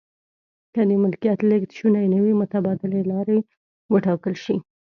که د ملکیت لیږد شونی نه وي متبادلې لارې و ټاکل شي.